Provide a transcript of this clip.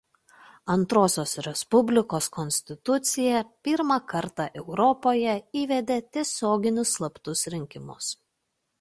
Antrosios Respublikos konstitucija pirmąkart Europoje įvedė tiesioginius slaptus rinkimus.